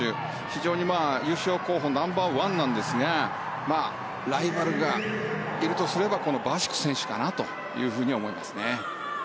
非常に優勝候補ナンバーワンなんですがライバルがいるとすればこのバシク選手かなと思いますね。